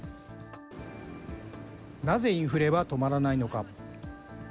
なぜインフレは止まらないのか。